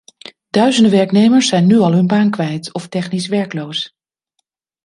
Duizenden werknemers zijn nu al hun baan kwijt of technisch werkloos.